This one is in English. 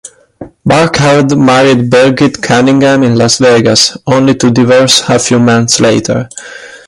Burkhard married Birgit Cunningham in Las Vegas, only to divorce a few months later.